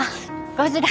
５時だ。